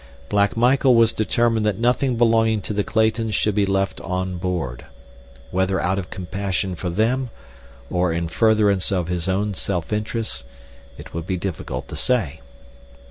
Black Michael was determined that nothing belonging to the Claytons should be left on board. Whether out of compassion for them, or in furtherance of his own self interests, it would be difficult to say.